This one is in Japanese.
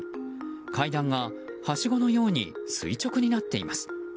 階段が、はしごのように垂直になっています。